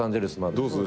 どうする？